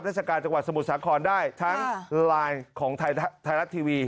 ราชการจังหวัดสมุทรสาครได้ทั้งไลน์ของไทยรัฐทีวี